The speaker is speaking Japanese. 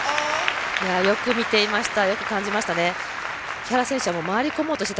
よく見ていました。